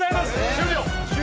終了！